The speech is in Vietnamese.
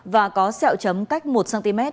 và có sẹo chấm cách một cm